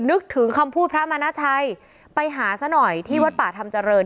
นึกถึงคำพูดพระมณชัยไปหาซะหน่อยที่วัดป่าธรรมเจริญ